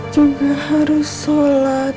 juga harus sholat